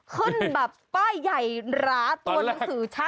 ขึ้นแบบป้ายใหญ่หราตัวหนังสือชัด